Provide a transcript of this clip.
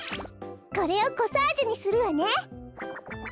これをコサージュにするわね。